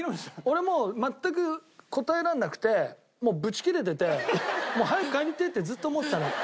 俺もう全く答えられなくてもうブチキレててもう早く帰りてえってずっと思ってたのよ。